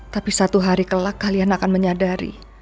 tapi satu hari kelak kalian akan menyadari